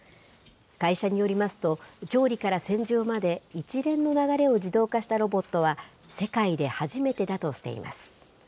会社によりますと、調理から洗浄まで一連の流れを自動化したロボットは、世界で初めてだとしています。